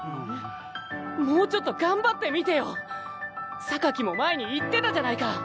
もうちょっと頑張ってみてよ！も前に言ってたじゃないか。